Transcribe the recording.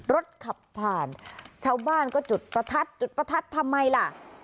รถขับผ่านชาวบ้านก็จุดประทัดจุดประทัดทำไมล่ะ